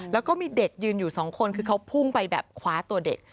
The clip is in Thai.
แล้วก็มีเด็กยืนอยู่สองคนคือเขาพุ่งไปแบบคว้าตัวเด็ก